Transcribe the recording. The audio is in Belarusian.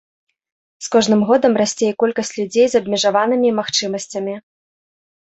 З кожным годам расце і колькасць людзей з абмежаванымі магчымасцямі.